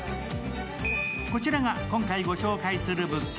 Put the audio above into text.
こちらが今回ご紹介する物件。